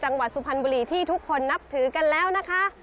จังหวัดสุพรรณบุรีที่ทุกคนนับถือกันแล้วนะคะ